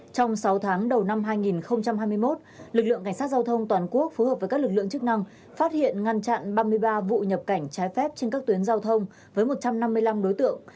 trong sáu tháng đầu năm hai nghìn hai mươi một lực lượng cảnh sát giao thông toàn quốc phối hợp với các lực lượng chức năng phát hiện ngăn chặn ba mươi ba vụ nhập cảnh trái phép trên các tuyến giao thông với một trăm năm mươi năm đối tượng